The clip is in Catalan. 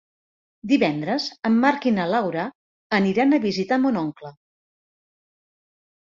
Divendres en Marc i na Laura aniran a visitar mon oncle.